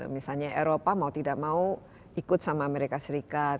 misalnya eropa mau tidak mau ikut sama amerika serikat